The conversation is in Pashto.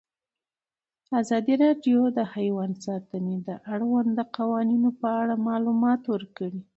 ازادي راډیو د حیوان ساتنه د اړونده قوانینو په اړه معلومات ورکړي.